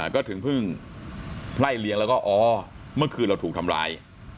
ก็ถึงเพิ่งไล่เลี้ยงแล้วก็อ๋อเมื่อคืนเราถูกทำร้าย